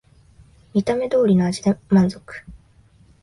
見た目通りの味で満足